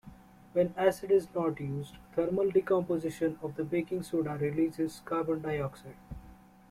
When acid is not used, thermal decomposition of the baking soda releases carbon dioxide.